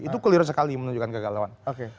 itu keliru sekali menunjukkan kegalaun